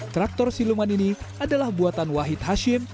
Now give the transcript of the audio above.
traktor siluman ini adalah buatan wahid hashim